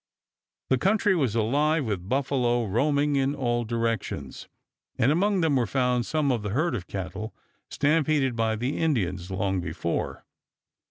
The country was alive with buffalo roaming in all directions, and among them were found some of the herd of cattle stampeded by the Indians long before.